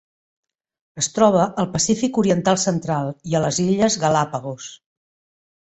Es troba al Pacífic oriental central i a les Illes Galápagos.